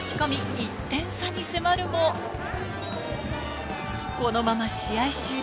１点差に迫るも、このまま試合終了。